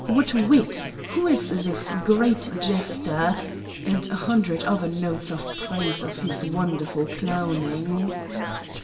"What wit!" "Who is this great jester?" and a hundred other notes of praise of his wonderful clowning.